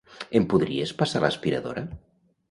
Em podries passar l'aspiradora?